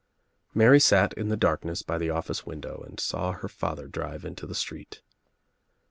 Mary sat In the darkness by the office window and saw her father drive into the street.